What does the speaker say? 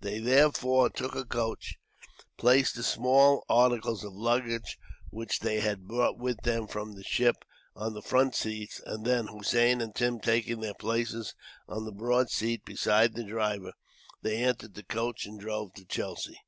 They therefore took a coach, placed the small articles of luggage which they had brought with them, from the ship, on the front seats; and then, Hossein and Tim taking their places on the broad seat beside the driver, they entered the coach and drove to Chelsea.